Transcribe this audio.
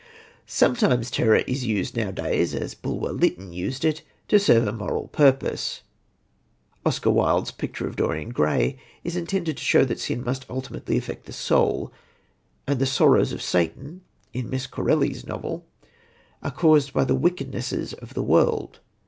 Sometimes terror is used nowadays, as Bulwer Lytton used it, to serve a moral purpose. Oscar Wilde's Picture of Dorian Gray is intended to show that sin must ultimately affect the soul; and the Sorrows of Satan, in Miss Corelli's novel, are caused by the wickedness of the world.